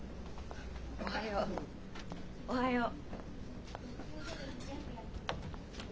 おはようおはよう。